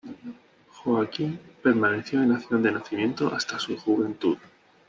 Joaquín permaneció en la ciudad de nacimiento hasta su juventud.